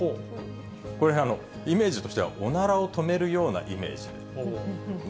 これ、イメージとしては、おならを止めるようなイメージ。ね。